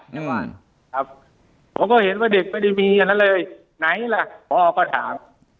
ผมก็เห็นว่าเด็กก็เลยไม่ได้มีเยี่ยนอันอะไรไหนล่ะเพราะผมก็ถาม